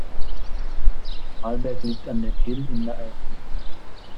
Malberg liegt an der Kyll in der Eifel.